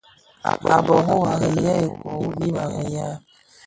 A bërô à rì yêê ikoɔ wu gib bi riyal.